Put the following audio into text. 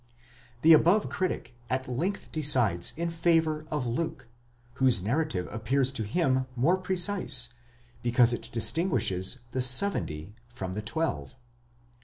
6 The above critic at length decides in favour of Luke, whose narrative appears to him more precise, because it distinguishes the seventy from the twelve.